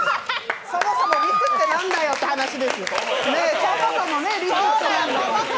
そもそもリスって何だよって話ですよ。